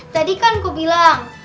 tadi kan ku bilang